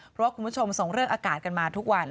เพราะว่าคุณผู้ชมส่งเรื่องอากาศกันมาทุกวัน